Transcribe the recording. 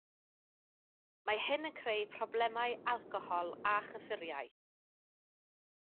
Mae hyn yn creu problemau alcohol a chyffuriau